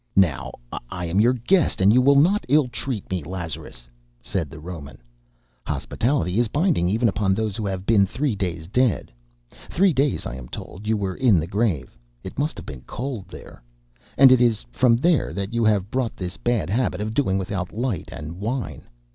"Now I am your guest and you will not ill treat me, Lazarus!" said the Roman. "Hospitality is binding even upon those who have been three days dead. Three days, I am told, you were in the grave. It must have been cold there... and it is from there that you have brought this bad habit of doing without light and wine.